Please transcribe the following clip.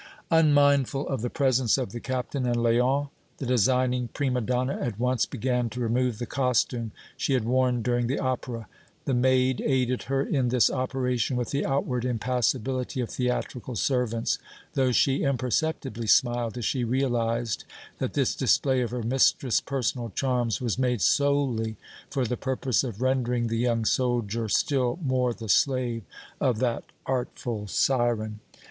Unmindful of the presence of the Captain and Léon, the designing prima donna at once began to remove the costume she had worn during the opera. The maid aided her in this operation with the outward impassibility of theatrical servants, though she imperceptibly smiled as she realized that this display of her mistress' personal charms was made solely for the purpose of rendering the young soldier still more the slave of that artful siren.